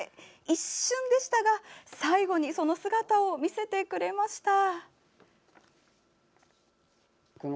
一瞬でしたが、最後にその姿を見せてくれました。